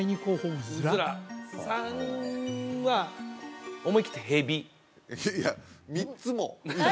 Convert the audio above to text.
うずら３は思い切ってヘビいや３つも？